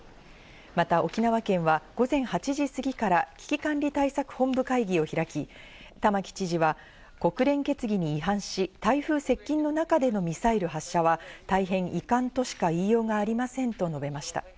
また沖縄県は午前８時過ぎから、危機管理対策本部会議を開き、玉城知事は国連決議に違反し、台風接近の中でのミサイル発射は大変遺憾としか言いようがありませんと述べました。